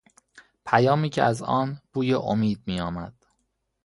پیامی که از آن بوی امید میآمد